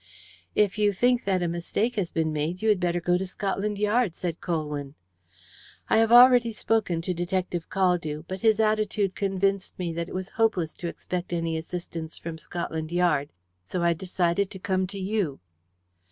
"If you think that a mistake has been made, you had better go to Scotland Yard," said Colwyn. "I have already spoken to Detective Caldew, but his attitude convinced me that it was hopeless to expect any assistance from Scotland Yard, so I decided to come to you."